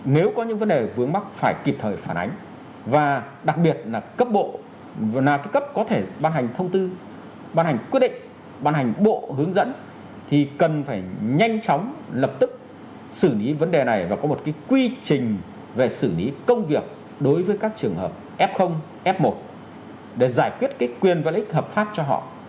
nếu có những vấn đề vướng mắc phải kịp thời phản ánh và đặc biệt là cấp bộ là cái cấp có thể ban hành thông tư ban hành quyết định ban hành bộ hướng dẫn thì cần phải nhanh chóng lập tức xử lý vấn đề này và có một cái quy trình về xử lý công việc đối với các trường hợp f f một để giải quyết cái quyền và lý hợp pháp cho họ